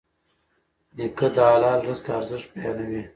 نیکه د حلال رزق ارزښت بیانوي.